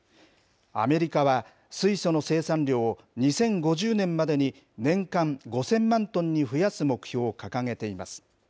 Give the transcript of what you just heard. アメリカは水素の生産量を２０５０年までに年間５０００万トンに増やす目標を掲げています。